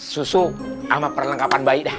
susu sama perlengkapan bayi